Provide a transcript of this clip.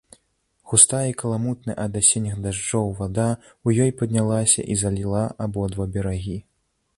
Густая і каламутная ад асенніх дажджоў вада ў ёй паднялася і заліла абодва берагі.